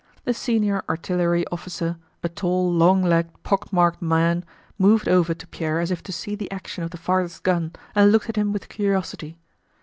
The senior artillery officer, a tall, long legged, pockmarked man, moved over to Pierre as if to see the action of the farthest gun and looked at him with curiosity.